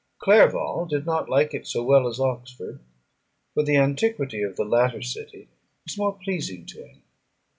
Clerval did not like it so well as Oxford: for the antiquity of the latter city was more pleasing to him.